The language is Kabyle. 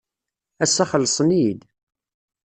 Ass-a xellsen-iyi-d.